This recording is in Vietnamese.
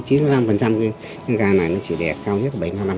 cái gà này nó chỉ đẻ cao nhất bảy mươi bảy mươi năm